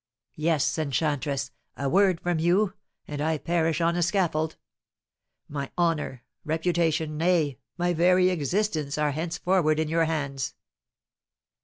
Yes, enchantress, a word from you, and I perish on a scaffold. My honour, reputation, nay, my very existence, are henceforward in your hands."